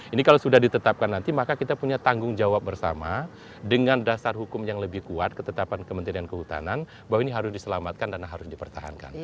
ini kalau sudah ditetapkan nanti maka kita punya tanggung jawab bersama dengan dasar hukum yang lebih kuat ketetapan kementerian kehutanan bahwa ini harus diselamatkan dan harus dipertahankan